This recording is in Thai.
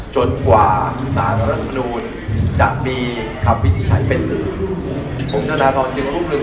จนกว่าศาลรัศมณูนจะมีคำวินิชัยเป็นหรือ